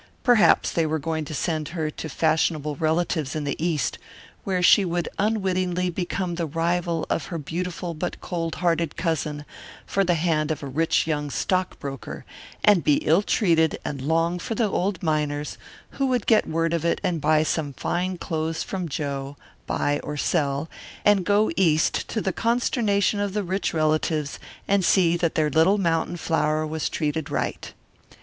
Perhaps they were going to send her to fashionable relatives in the East, where she would unwittingly become the rival of her beautiful but cold hearted cousin for the hand of a rich young stock broker, and be ill treated and long for the old miners who would get word of it and buy some fine clothes from Joe Buy or Sell, and go East to the consternation of the rich relatives and see that their little mountain flower was treated right.